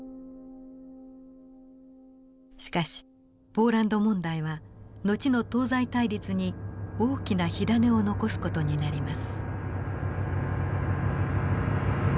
しかしポーランド問題は後の東西対立に大きな火種を残す事になります。